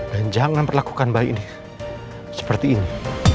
dan jangan perlakukan bayi ini seperti ini